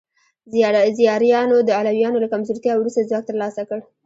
زیاریانو د علویانو له کمزورتیا وروسته ځواک ترلاسه کړ.